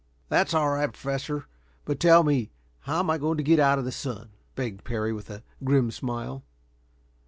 "That's all right, Professor. But tell me how I am going to get out of the sun?" begged Parry, with a grim smile.